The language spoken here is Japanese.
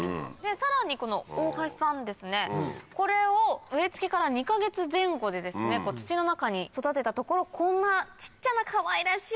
さらにこの大橋さんですねこれを植えつけから２か月前後で土の中に育てたところこんな小っちゃなかわいらしい。